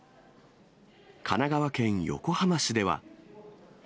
神奈川県横浜市では。